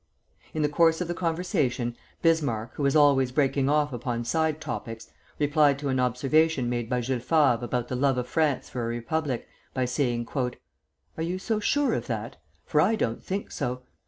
In the course of the conversation Bismarck, who was always breaking off upon side topics, replied to an observation made by Jules Favre about the love of France for a republic, by saying: "Are you so sure of that? for I don't think so.